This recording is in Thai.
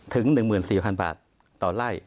ถึง๑เหมือน๔พันบาทต่อไล่